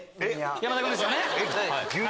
・山田君ですよね？